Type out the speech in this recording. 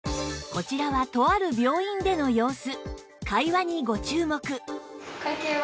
こちらはとある病院での様子